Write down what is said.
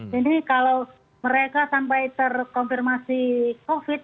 jadi kalau mereka sampai terkonfirmasi covid